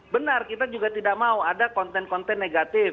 benar kita juga tidak mau ada konten konten negatif